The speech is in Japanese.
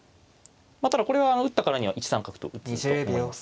ただこれは打ったからには１三角と打つと思います。